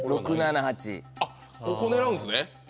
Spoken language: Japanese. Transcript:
あっここ狙うんですね。